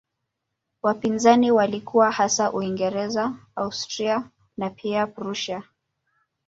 Wapinzani walikuwa hasa Uingereza, Austria na pia Prussia.